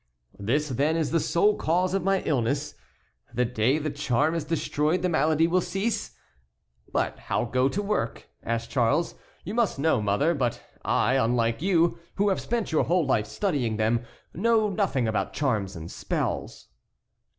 "This then is the sole cause of my illness? the day the charm is destroyed the malady will cease? But how go to work?" asked Charles, "you must know, mother; but I, unlike you, who have spent your whole life studying them, know nothing about charms and spells."